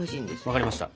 分かりました。